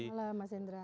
selamat malam mas indra